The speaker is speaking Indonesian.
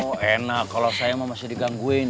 oh enak kalau saya mah masih digangguin